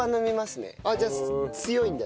じゃあ強いんだ。